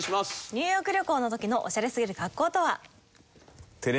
ニューヨーク旅行の時のオシャレすぎる格好とは？